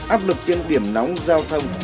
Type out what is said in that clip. áp lực trên điểm nóng giao thông